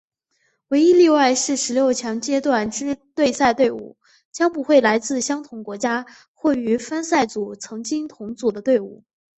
唯一例外是十六强阶段之对赛对伍将不会来自相同国家或于分组赛曾经同组的队伍。